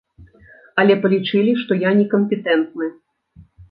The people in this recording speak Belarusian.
Але палічылі, што я некампетэнтны.